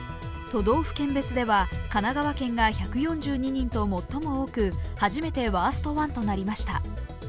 都道府県別では神奈川県が１４２人と最も多く、初めてワーストワンとなりました。